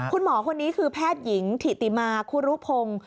คุณหมอคนนี้คือแพทย์หญิงถิติมาคุรุพงศ์